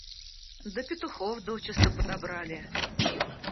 До петухов дочиста подобрали.